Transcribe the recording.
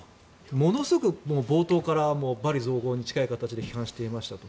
ものすごく、冒頭から罵詈雑言に近い形で批判していましたと。